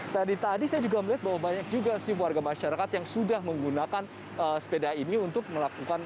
tadi tadi saya juga melihat bahwa banyak juga sih warga masyarakat yang sudah menggunakan sepeda ini untuk melakukan